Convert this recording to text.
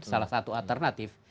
salah satu alternatif